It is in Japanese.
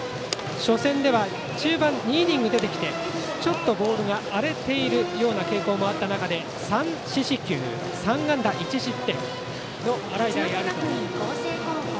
初戦では中盤２イニング出てきてちょっとボールが荒れている傾向もあった中３四死球、３安打１失点の洗平歩人。